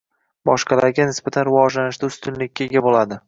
– boshqalarga nisbatan rivojlanishda ustunlikka ega bo‘ladi.